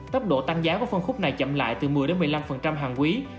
tốc độ tăng giá của phân khúc này chậm lại từ một mươi một mươi năm hàng quý